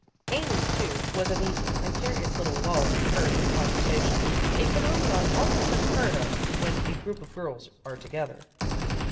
Amy, too, was uneasy, and curious little lulls occurred in the conversation, a phenomenon almost unheard of when a group of girls are together.